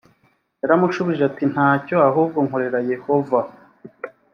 yaramushubije ati nta cyo ahubwo nkorera yehova